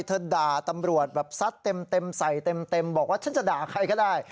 ด่าตำรวจแบบซัดเต็มใส่เต็มบอกว่าฉันจะด่าใครก็ได้